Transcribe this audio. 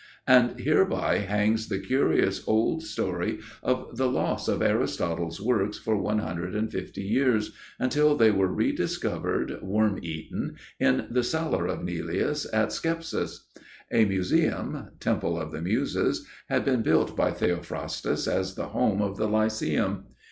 And hereby hangs the curious old story of the loss of Aristotle's works for one hundred and fifty years, until they were rediscovered, worm eaten, in the cellar of Neleus at Scepsis. A Museum,—temple of the muses,—had been built by Theophrastus as the home of the Lyceum.